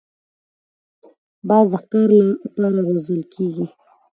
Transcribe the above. باز د ښکار له پاره روزل کېږي